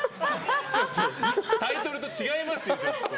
タイトルと違いますよね。